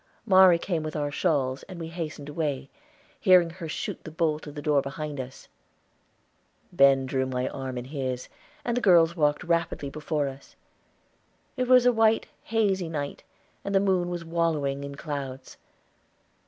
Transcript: Mari came with our shawls, and we hastened away, hearing her shoot the bolt of the door behind us. Ben drew my arm in his, and the girls walked rapidly before us. It was a white, hazy night, and the moon was wallowing in clouds.